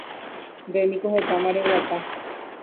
Ndéniko hetama reguata